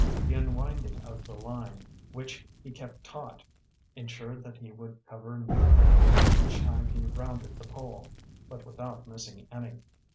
The unwinding of the line, which he kept taut, ensured that he would cover new ground each time he rounded the pole, but without missing any.